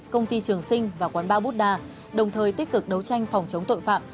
công ty trường sinh và quán ba bút đa đồng thời tích cực đấu tranh phòng chống tội phạm